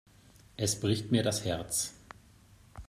Es bricht mir das Herz.